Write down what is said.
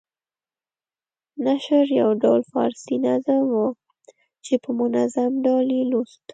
نشرح یو ډول فارسي نظم وو چې په منظوم ډول یې لوست.